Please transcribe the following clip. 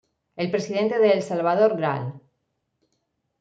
El presidente de El Salvador Gral.